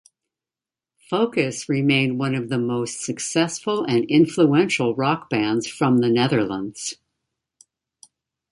Focus remain one of the most successful and influential rock bands from the Netherlands.